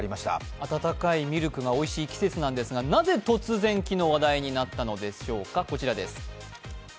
温かいミルクがおいしい季節なんですがなぜ突然、昨日話題になったのでしょうか。